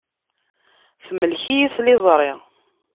Temlek-iyi tliẓri.